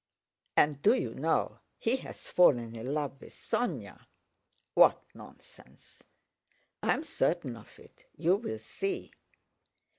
And do you know he has fallen in love with Sónya?" "What nonsense..." "I'm certain of it; you'll see."